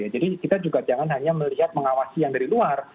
jadi kita juga jangan hanya melihat mengawasi yang dari luar